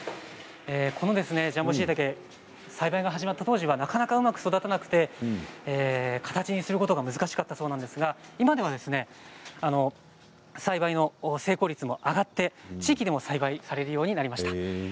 このジャンボしいたけ栽培が始まった当時はなかなかうまく育たなくて形にすることが難しかったそうなんですが今では栽培の成功率も上がって地域でも栽培されるようになりました。